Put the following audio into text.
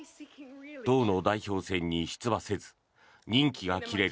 党の代表選に出馬せず任期が切れる